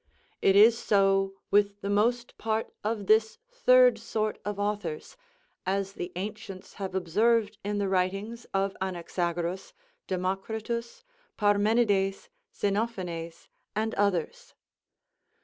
It is so with the most part of this third sort of authors, as the ancients have observed in the writings of Anaxagoras, Democritus, Parmenides, Xenophanes, and others.